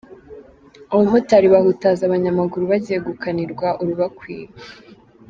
Abamotari bahutaza abanyamaguru bagiye gukanirwa urubakwiye